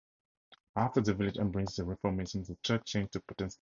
After the village embraced the Reformation, the church changed to Protestantism.